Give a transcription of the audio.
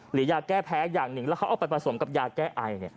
ยาแก้แพ้อย่างหนึ่งแล้วเขาเอาไปผสมกับยาแก้ไอ